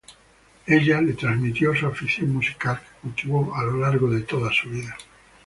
Ella le transmitió su afición musical, que cultivó a lo largo de su vida.